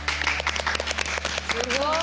すごい。